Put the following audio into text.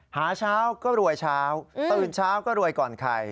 หาเช้าก็รวยเช้าตื่นเช้าก็รวยก่อนใคร